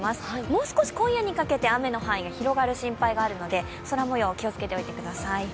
もう少し今夜にかけて雨の範囲が広がる心配があるので、空もよう、気をつけておいてください。